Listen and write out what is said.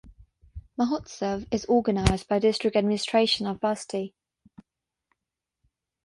Mahotsav is organized by District Administration of Basti.